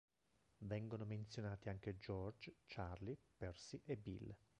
Vengono menzionati anche George, Charlie, Percy e Bill.